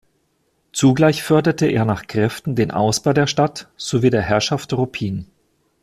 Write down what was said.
Zugleich förderte er nach Kräften den Ausbau der Stadt sowie der Herrschaft Ruppin.